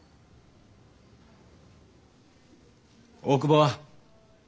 大久保は？